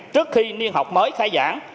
trước khi niên học mới khai giảng